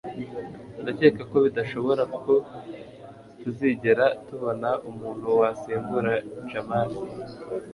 ndacyeka ko bidashoboka ko tuzigera tubona umuntu wasimbura jamali